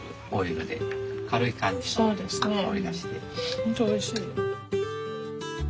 本当おいしい。